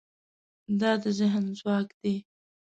دا د ذهن ځواک دی.